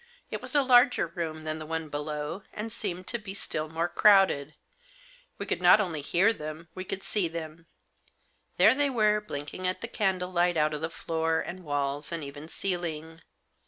It was a larger room than the one below, and seemed to be still more crowded. We could not only hear them, we could see them. There they were, blinking at the candlelight out of the floor Digitized by THE BACK DOOR KEY. 67 and walls, and even celling.